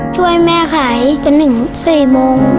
ช่วยแม่ขายจนถึง๔โมง